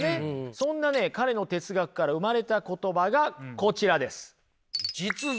そんなね彼の哲学から生まれた言葉がこちらです。